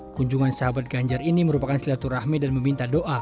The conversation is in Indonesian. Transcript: kunjungan sahabat ganjar ini merupakan silaturahmi dan meminta doa